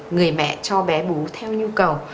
người mẹ cho bé bú theo nhu cầu